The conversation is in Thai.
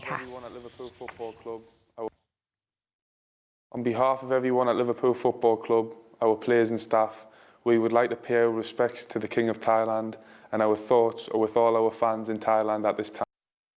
กัปตันทีให้ด้วย